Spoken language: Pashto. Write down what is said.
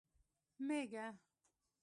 🐑 مېږه